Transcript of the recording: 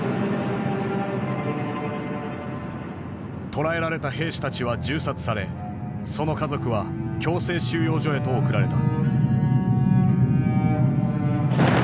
捕らえられた兵士たちは銃殺されその家族は強制収容所へと送られた。